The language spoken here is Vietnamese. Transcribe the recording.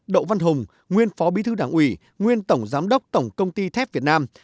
đậu văn hùng nguyên phó bí thư đảng ủy nguyên tổng giám đốc tổng công ty thép việt nam